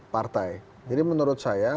partai jadi menurut saya